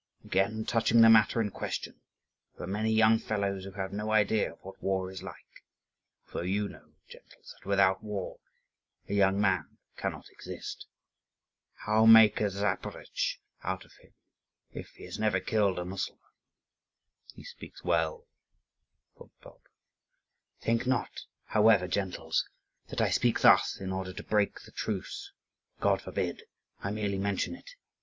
Again, touching the matter in question, there are many young fellows who have no idea of what war is like, although you know, gentles, that without war a young man cannot exist. How make a Zaporozhetz out of him if he has never killed a Mussulman?" "He speaks well," thought Bulba. "Think not, however, gentles, that I speak thus in order to break the truce; God forbid! I merely mention it.